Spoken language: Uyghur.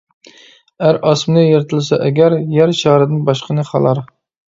ئەر ئاسمىنى يىرتىلسا ئەگەر، يەر شارىدىن باشقىنى خالار.